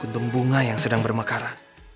ketemu ketemu bunga yang sedang bermakara